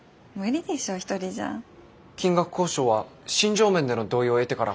金額交渉は心情面での同意を得てから。